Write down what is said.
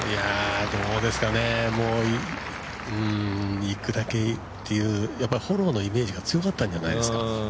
どうですかね、うーんいくだけっていうフォローのイメージが強かったんじゃないですか。